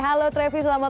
halo trevi selamat malam